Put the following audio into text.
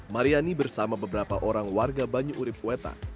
mariani bersama beberapa orang warga banyu urib kueta